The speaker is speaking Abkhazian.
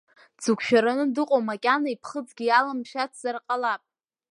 Дзықәшәараны дыҟоу макьана иԥхыӡгьы иаламшәацзар ҟалап!